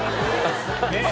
「ねえ。